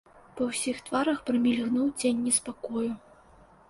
Па ўсіх тварах прамільгнуў цень неспакою.